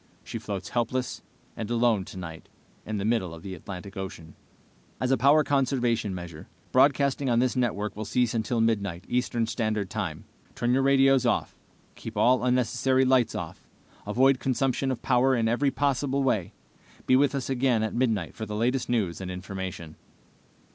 She floats helpless and alone tonight in the middle of the Atlantic Ocean. "As a power conservation measure, broadcasting on this network will cease until midnight, eastern standard time. Turn your radios off. Keep all unnecessary lights off. Avoid consumption of power in every possible way. Be with us again at midnight for the latest news and information."